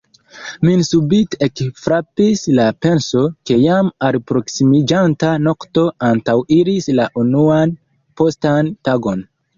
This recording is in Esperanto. Min subite ekfrapis la penso, ke jam alproksimiĝanta nokto antaŭiris la unuan postan tagon.